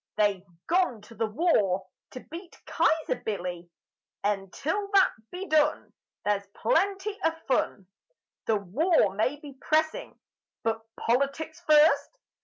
They've gone to the War To beat Kyzer Billy; And till that be done There's plenty of fun. The war may be pressing But Politics first!